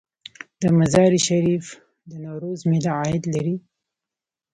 د مزار شریف د نوروز میله عاید لري؟